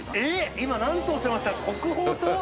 今なんとおっしゃいました？